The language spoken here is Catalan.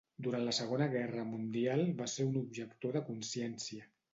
Durant la Segona Guerra Mundial, va ser un objector de consciència.